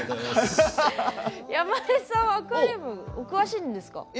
山根さんは、アクアリウムお詳しいんですか？